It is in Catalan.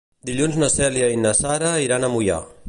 Dilluns na Cèlia i na Sara iran a Moià.